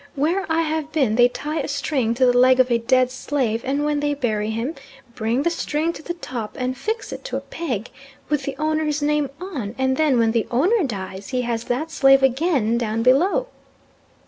Where I have been they tie a string to the leg of a dead slave and when they bury him bring the string to the top and fix it to a peg, with the owner's name on, and then when the owner dies he has that slave again down below."